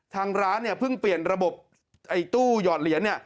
ทางร้านเนี่ยเพิ่งเปลี่ยนระบบตู้หยอดเหรียญ